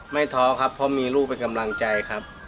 ท้อครับเพราะมีลูกเป็นกำลังใจครับ